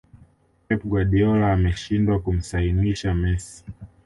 pep guardiola ameshindwa kumsainisha messi